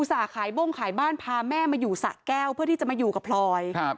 ส่าห์ขายบ้งขายบ้านพาแม่มาอยู่สะแก้วเพื่อที่จะมาอยู่กับพลอยครับ